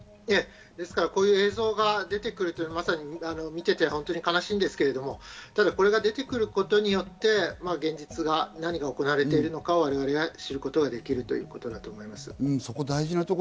ですから、こういう映像が出てくるというのは見ていて本当に悲しんですけど、ただこれが出てくることによって、現実が何が行われているのか我々は知ることができるということだと思います。